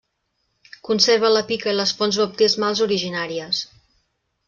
Conserva la pica i les fonts baptismals originàries.